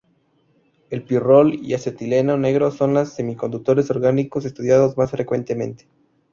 El pirrol y acetileno negros son los semiconductores orgánicos estudiados más frecuentemente.